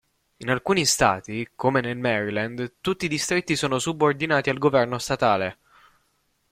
In alcuni Stati, come nel Maryland, tutti i distretti sono subordinati al governo statale.